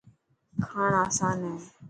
کاڻ آسان هي.